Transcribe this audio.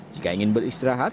jika ingin beristirahat